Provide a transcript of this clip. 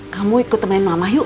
kamu ikut temen mama yuk